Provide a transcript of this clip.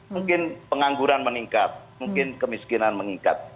mungkin pengangguran meningkat mungkin kemiskinan meningkat